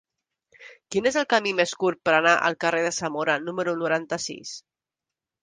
Quin és el camí més curt per anar al carrer de Zamora número noranta-sis?